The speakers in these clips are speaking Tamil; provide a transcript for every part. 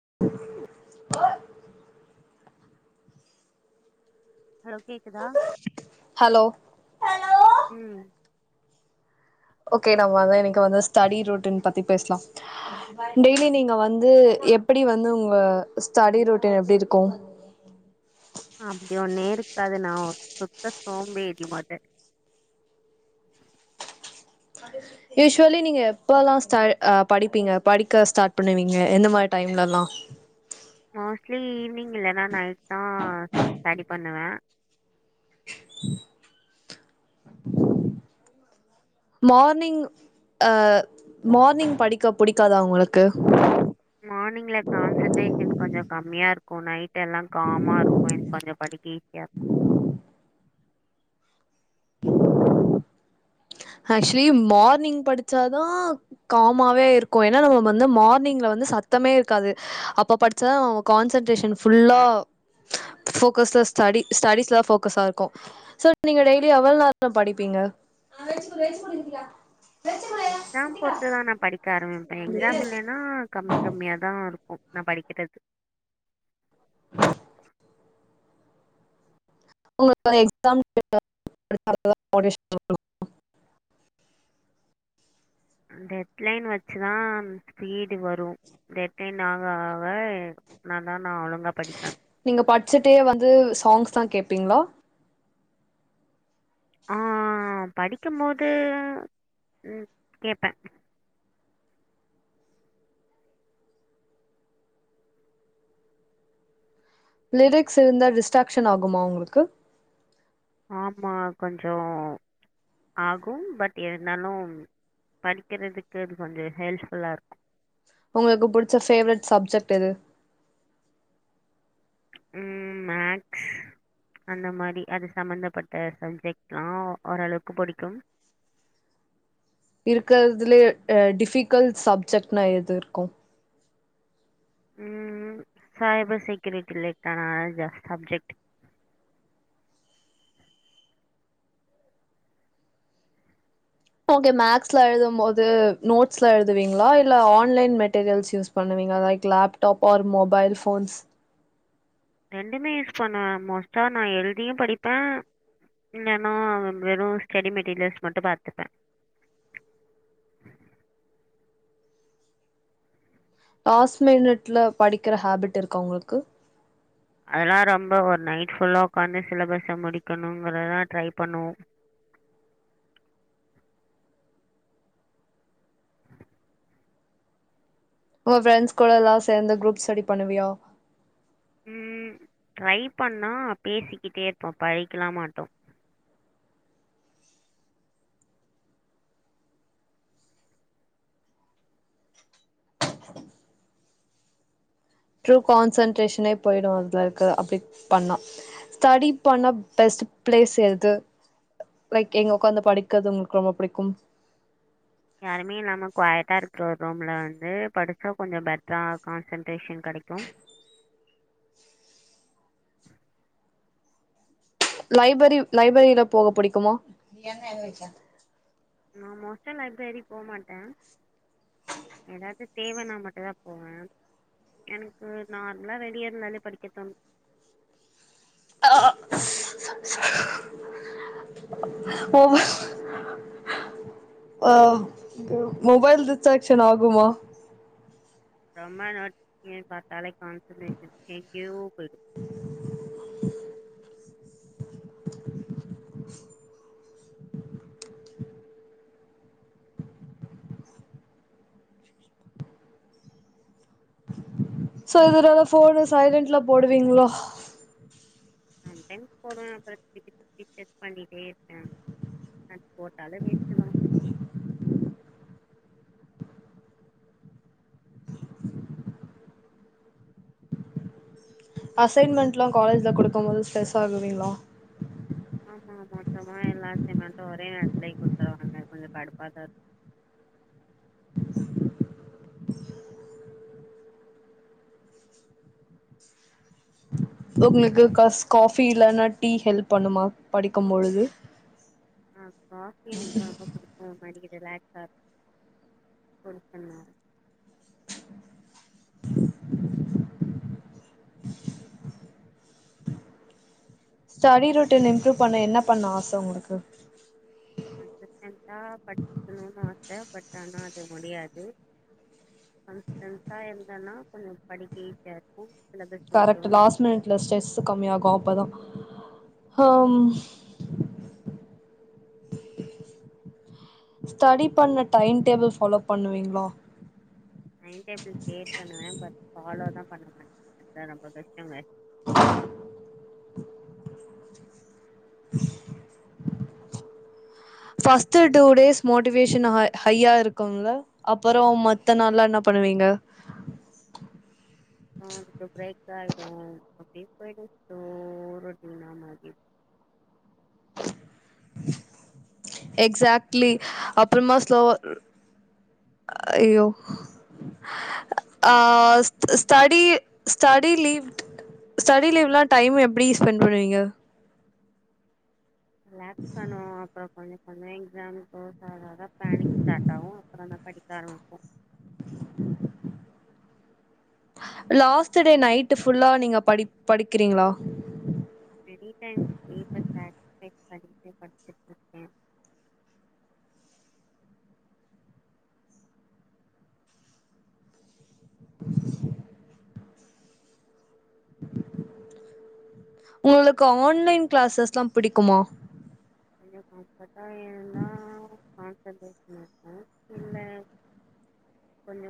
[unintelligible] ஹலோ கேக் க்குதா ஹலோ ம் ஒகே நம்ம [unintelligible] இன்னக்கு வந்து ஸ்டடி ரூட் இன் பத்தி பேசலாம் டெய்லி நீங்க வந்து எப்படி வந்து உங்க ஸ்டடி ரூட் இன் எப்டி இருக்கு அப்டி ஒன்னே இருக்காது நான் ஒரு சுத்த சோம்பேறி மதர் யூஸ்வலி நீங்க எப்பல்லா [unintelligible] படிப்பீங்க படிக்க ஸ்டார்ட் பண்ணுவீங்க எந்த மாரி டைம்லலா மோஸ்ட்லி ஈவினிங் இல்லேன்னா நைட் தா ரெடி பண்ணுவே மார்னிங் அ மார்னிங் படிக்க புடிக்காத உங்குளுக்கு? மானிங்ல கான்சன்ட்ரேஷன் கொஞ்சோ கம்மியா இருக்கோ நைட் எல்லா காமா இருக்கோ இன்னு கொஞ்சு படிக்க ஈசியா இருக் ஆக்சுலி மார்னிங் படிச்சா தா காமாவே இருக்கோ ஏன்ன நம்ம வந்து மார்னிங்ல வந்து சத்தமே இருக்காது அப்ப படிச்ச கான்சென்டிரேஷன் ஃபுல்லா ஃபோகஸ்டா ஸ்டடி ஸ்டடிஸ்ல ஃபோகஸ்சா இருக்கோ சேர் நீங்க டெய்லி எவ்ளோ நேரரோ படிப்பீங்க? [unintelligible] எக்ஸாம் போட்டுதா நா படி க்க ஆரம்பிப்பே எக்ஸாம் இல்லன்னா கம்மி கம்மியா தா இருக்கு நா படிக்கிறது உங்களுக்கு எக்ஸாம் [inaudible] டெட்லைன் வச்சுதா ஸ்பீடு வரு டெட்லைன் ஆக ஆக நா தா நா ஒழுங்கா படிப்பே நீங்க படிச்சுட்டே வந்து சாங்ஸ் தா கேப்பீங்களா? ஆஹ் படிக்கும் போது உம் கேப்பே லிரிக்ஸ் இருந்தா டிஸ்ட்ராக்ஷன் ஆகுமா உங்களுக்கு? ஆமா கொஞ்சோ ஆகும் பட் இருந்தாலு படிக்கிறதுக்கு அது கொஞ்சோ ஹெல்ப்ஃபுல்லா இருக்கு உங்களுக்கு புடிச்ச ஃபேவரட் சப்ஜெக்ட் எது? உம் மேக்ஸ் அந்த மாரி அது சம்பந்தப்பட்ட சப்ஜெக்ட்லா ஓரளவுக்கு புடிக்கும். இருக்கிறதுலயே அஹ் டிஃபிக்கல்ட் சப்ஜெக்ட்னா எதுருக்கும்? உம் சைபர் செக்யூரிட்டி லைக் ஆஹ் ஜ சப்ஜெக்ட் ஓகே மேக்ஸ்ல எழுதும் போது நோட்ஸ்லா எழுதுவீங்களா இல்ல ஆன்லைன் மெட்டீரியல்ஸ் யூஸ் பண்ணுவீங்கள like laptop or mobile phones ரெண்டுமே யூஸ் பண்ணுவே மோஸ்டா நா எழுதியு படிப்பே இல்லைன்னா வெறு ஸ்டடி மெட்டீரியல்ஸ் மட்டு பாத்துப்பே லாஸ் மினிட்ல படிக்கிற ஹாபிட் இருக்கா உங்களுக்கு? அதெல்லா ரொம்போ ஒரு நைட் ஃபுல்லா உக்காந்து சிலபஸ முடிக்கணுங்கிறதா ட்ரை பண்ணுவோம் உங்க ஃப்ரெண்ட்ஸ் கூடலா சேந்து குரூப் ஸ்டடி பண்ணுவியா? உம் ட்ரை பண்ணா பேசிக்கிட்டே இருப்போ படிக்கலா மாட்டோ ட்ரூ கான்சன்ட்ரேஷனே போய்டு அதுல இருக்குற அப்டி பண்ணா ஸ்டடி பண்ண பெஸ்ட் ப்ளேஸ் எது லைக் எங்க உக்காந்து படிக்கறது உங்களுக்கு ரொம்போ புடிக்கும் யாருமே இல்லாம குவயட்டா இருக்கற ஒரு ரூம்ல வந்து படிச்சா கொஞ்சோ பெட்ரா கான்சன்ட்ரேஷன் கெடைக்கும் லைபரி லைப்ரரில போக பிடிக்குமோ? எண்ண எங்க வெச்ச நா மோஸ்டா லைப்ரரி போமாட்டே ஏதாது தேவனா மட்டுதா போவே எனக்கு நார்மலா வெளிய இருந்தாலே படிக்கத்தோணு ஆஹ் அஹ் மொபைல் டிஸ்ட்ராக்ஷன் ஆகுமா? ரொம்ப நோட் பண்ணி பாத்தாலே கான்சென்ட்ரேஷன் எங்கயோ போய்டு சோ இதனால ஃபோன சைலன்ட்ல போடுவீங்களா சம்டைம்ஸ் போடுவே அப்றோ [unintelligible] டெஸ்ட் பண்ணிட்டே இருப்பே அது போட்டாலு வேஸ்ட்டுதா அசைன்மெண்ட்லா காலேஜ்ல குடுக்கும் போது ஸ்ட்ரெஸ் ஆவுவீங்களா? ஆமா மொத்தமா எல்லா அசைன்மெண்டு ஒரே நேரத்துலயே குடுத்துருவாங்க கொஞ்சோ கடுப்பாதா இருக் உங்களுக்கு கஸ் காஃபி இல்லன்னா டீ ஹெல்ப் பண்ணுமா படிக்கும் பொழுது ஆஹ் ரிலாக்ஸ்டா இருக் [unintelligible] ஸ்டடி ரொட்டின் இம்ப்ரூவ் பண்ண என்ன பண்ண ஆச உங்களுக்கு [unintelligible] படிக்கணும்னு ஆசை பட் ஆனா அது முடியாது [unintelligible] இருந்தன்னா கொஞ்ச படிக்க ஈஸியா இருக்கும் சிலபஸ் கரெக்ட் முடிக்கவும் லாஸ்ட் மினிட்ல ஸ்ட்ரெஸ் கம்மியாகும் அப்பதா அ ம் ஸ்டடி பண்ண டைம் டேபிள் ஃபாலோ பண்ணுவீங்ளா டைம் டேபிள் கிரியேட் பண்ணுவே பட் ஃபாலோ தா பண்ண மாட் அதா ரொம்ப கஷ்டமாச் [inaudible] ஃபஸ்ட் டூ டேஸ் மோட்டிவேஷன் ஆ ஹையா இருக்குங்ள அப்பறோ மத்த நாள்லா என்னா பண்ணுவீங்க ஆ [unintelligible] அப்டே போயிடு [unintelligible] எக்ஸாக்ட்லி அப்புற்மா ஸ்லோவா அய்யோ ஆ ஸ் ஸ்டடி ஸ்டடி லீவ்க் ஸ்டடி லீவ்லா டைம் எப்புடி ஸ்பென்ட் பண்ணுவீங்க லாக்ஸ் பண்ணுவோ அப்புறோ கொஞ்ச ஒட்னே எக்ஸாமுக் போ அப்புறோந் தா படிக்க ஆரம்பிப்போ [inaudible] லாஸ்ட்டு டே நைட்டு ஃபுல்லா நீங்க படி படிக்கிறீங்களா படிச்சேன் படிச்சிட் இருக்கேன் உங்குளுக்கு ஆன்லைன் கிளாஸஸ்லா பிடிக்குமா [unintelligible] [inaudible] இல்ல கொஞ்சோ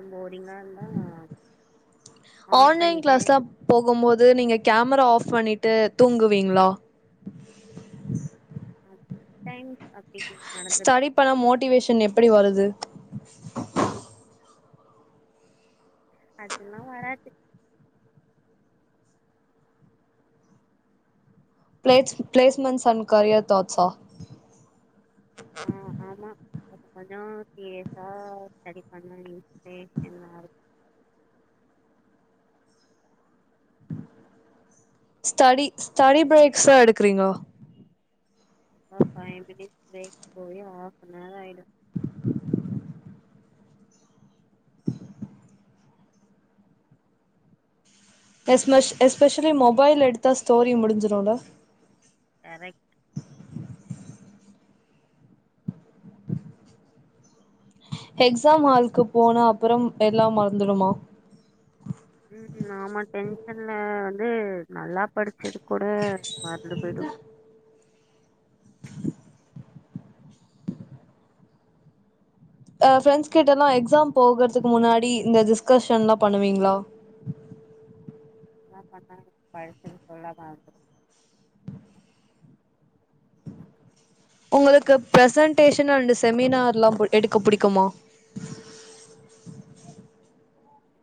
ஆன் ஆன்லைன் பண்ணிட்டேன் க்ளாஸ்லா போகும்போது நீங்க கேமரா ஆஃப் பண்ணிட்டு தூங்குவீங்களா அ தே ஸ்டடி பண்ண மோட்டிவேஷன் எப்படி வருது அதெல்லா வராது ப்ளேஸ் - ப்ளேஸ்மெண்ட்ஸ் அண்ட் கரியர் தாட்சா ஆ ஆமா கொஞ்சோ சீரியசா ஸ்டடி பண்ண இன்ஸ்பிரேஷனா ஸ்டடி ஸ்டடி ப்ரேக்ஸா எடுக்றீங்களா ரொம்ப ஃபைவ் மினிட் பிரேக் போய் ஹாஃப் அன் ஆர் ஆயிடு எஸ்ப எஸ்பெஷலி மொபைல் எடுத்தா ஸ்டோரி முடிஞ்சிருல்ல கரெக்ட் எக்ஸாம் ஹால்க்கு போன அப்புறம் எல்லா மறந்துடுமா ம் நாம டென்ஷன்ல வந்து நல்லா படிச்சது கூட மறந்து போய்டும் அஹ் பிரெண்ட்ஸ் கிட்டல்லாம் எக்ஸாம் போகறதுக்கு முன்னாடி இந்த டிஸ்கஷன்லா பண்ணுவீங்களா என்ன பண்ண படிச்சது ஃபுல்லா மறந்துடு உங்களுக்கு ப்ரசன்டேஷன் அண்டு செமினார் எல்லா எடுக்க புடிக்குமா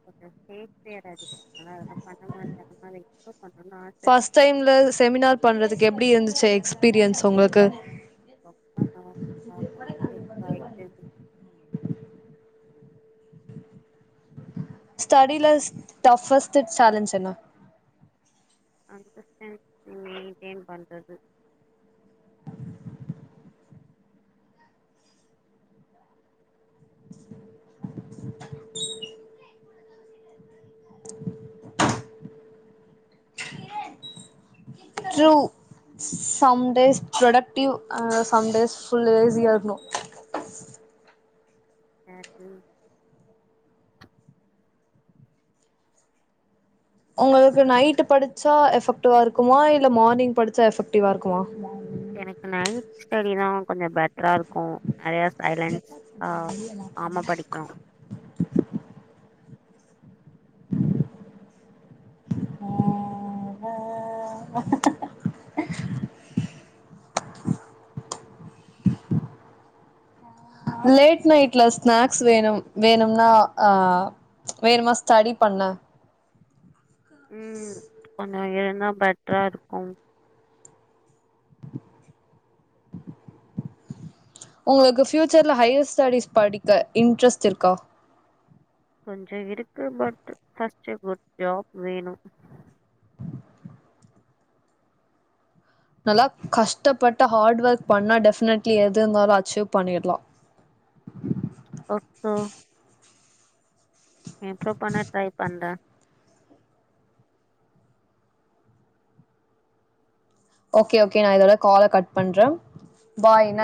கொஞ்சம் யர்து [inaudible] அதெல்லா பண்ண மாட்டோங்கனப்ப ஃபர்ஸ்ட் டைம்ல செமினார் பண்றதுக்கு எப்டி இருந்துச்சு எக்ஸ்பீரியன்ஸ் ஒங்களுக்கு அ [inaudible] அ [inaudible] ஆயத்த [inaudible] ஸ்டெடில ஸ்டஃப்ஸ்ட் சேலஞ்ச் என்ன அந்த மெ மெயின்டென் பண்றது ட்ரூ சம் டேஸ் ப்ரொடக்டிவ் அ சம்டேஸ் ஃபுல் லேஸியா இருணு சக்கு [inaudible] ஒங்களுக்கு நைட்டு படுச்சா எஃபெக்டிவா இருக்குமா இல்ல மார்னிங் படுச்சா எஃபெக்டிவா இருக்குமா எனக்கு நைட் ஸ்டெடி தா கொஞ்சொ பெட் டர்றா இருக்கு நெறைய சைட்லன்ஸ் ஆஹ் ஆமா படிக்கு ஆ லேட் நைட்ல ஸ்நாக்ஸ் வேணு வேணுனா அஹ் வேணுமா ஸ்டெடி பண்ண ம்ம் அ இருந்தா பெட்டரா இருக்கு ஒங்களுக்கு ஃப்யூச்சர்ல ஹையர் ஸ்டெடிஸ் படிக்க இன்ட்ரெஸ்ட் இருக்கா கொஞ்சொ இருக்கு பட் ஃபர்ஸ்ட்டு குட் ஜாப் வேணு நல்லா கஷ்டபட்டு ஹார்ட் ஒர்க் பண்ணா டெஃபினெட்லி எது இருந்தாலு அச்சீவ் பண்ணிட்லா [unintelligible] இம்ப்ரூவ் பண்ண ட்ரை பண்ற ஓகே ஓகே நா இதோட கால கட் பண்ற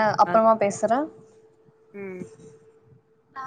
ம் ஓகே. அப்பறமா பேசுற ம் ஆ